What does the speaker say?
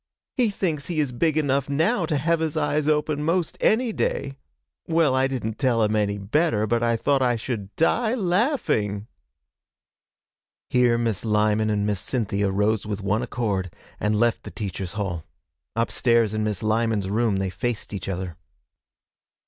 He thinks he is big enough now to have his eyes open 'most any day. Well, I didn't tell him any better, but I thought I should die laughing.' Here Miss Lyman and Miss Cynthia rose with one accord, and left the teachers' hall. Upstairs in Miss Lyman's room they faced each other.